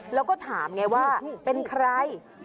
แล้วก็ถามไงว่าเป็นใคร